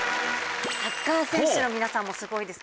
サッカー選手の皆さんもすごいです。